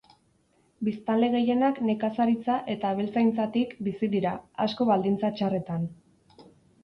Biztanle gehienak nekazaritza eta abeltzaintzatik bizi dira, asko baldintza txarretan.